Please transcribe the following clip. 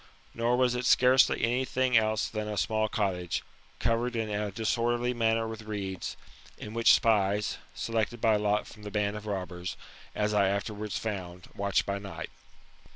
Nor was it scarcely any thing else than a small cottage, covered in a disorderly manner with reeds ; in which spies, selected by lot from the band of robbers, as I afterwards found, watched by night.